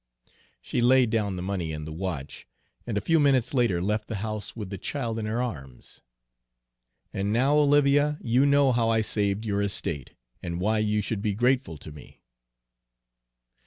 "She laid down the money and the watch, and a few minutes later left the house with the child in her arms. "And now, Olivia, you know how I saved your estate, and why you should be grateful to me."